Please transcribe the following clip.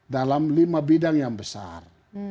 dalam lima bidang yang besar